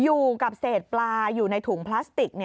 อยู่กับเศษปลาอยู่ในถุงพลาสติก